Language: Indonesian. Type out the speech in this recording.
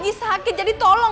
ini lama dua hampir nyanyi tapi